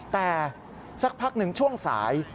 แต่สักพักหนึ่งช่วงสาย